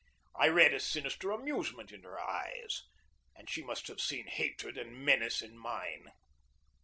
I read a sinister amusement in her eyes, and she must have seen hatred and menace in mine.